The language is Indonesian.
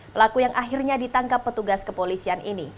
pelaku yang akhirnya ditangkap petugas kepolisian ini